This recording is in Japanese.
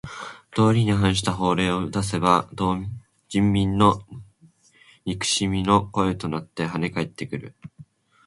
道理に反した法令を出せば人民の恨みの声となってはね返ってくる。